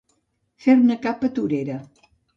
Fer-ne capa torera.